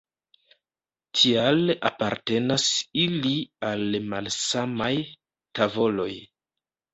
Tial apartenas ili al malsamaj tavoloj.